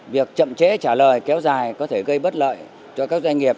việc chậm trễ trả lời kéo dài có thể gây bất lợi cho các doanh nghiệp